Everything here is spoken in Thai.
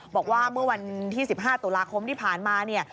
บอกว่าเมื่อวันที่๑๕ตุลาคมที่ผ่านมาเนี่ย